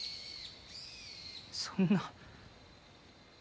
そんな。